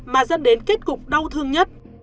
mà dẫn đến kết cục đau thương nhất